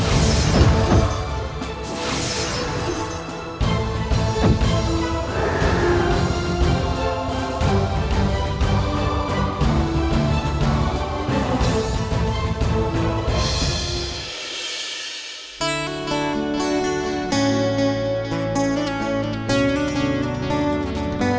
kau harus memulihkan sedikit tenagamu